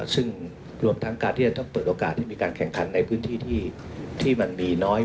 ซึ่งรวมทั้งการที่จะต้องเปิดโอกาสให้มีการแข่งขันในพื้นที่ที่มันมีน้อย